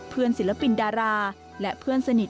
เพื่อนศิลปินดาราและเพื่อนสนิท